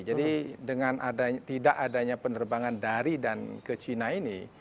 jadi dengan tidak adanya penerbangan dari dan ke cina ini